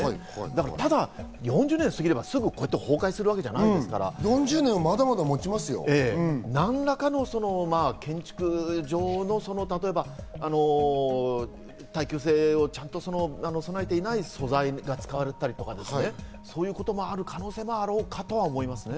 ただ４０年すぎればこうやってすぐ崩壊するわけじゃないですから、何らかの建築上の耐久性がちゃんと備えていない素材が使われたりとか、そういうこともある可能性もあろうかと思いますね。